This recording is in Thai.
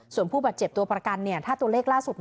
ส่วนผู้บาดเจ็บตัวประกันถ้าตัวเลขล่าสุด